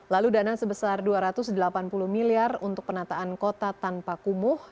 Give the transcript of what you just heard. lalu dana sebesar dua ratus delapan puluh miliar untuk penataan kota tanpa kumuh